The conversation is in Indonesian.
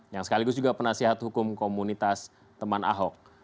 yang sekaligus juga penasihat hukum komunitas teman ahok